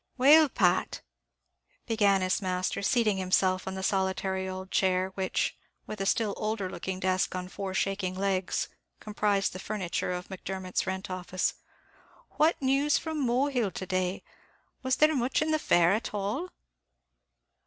"Well, Pat," began his master, seating himself on the solitary old chair, which, with a still older looking desk on four shaking legs, comprised the furniture of Macdermot's rent office, "what news from Mohill to day? was there much in the fair at all?"